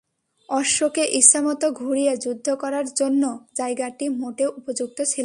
অশ্বকে ইচ্ছামত ঘুরিয়ে যুদ্ধ করার জন্য জায়গাটি মোটেও উপযুক্ত ছিল না।